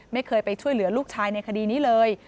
ไม่เคยไปช่วยเหลือลูกชายในคดีนี้เลย